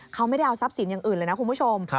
เขาไม่ได้เอาทรัพย์สินอย่างอื่นเลยนะคุณผู้ชม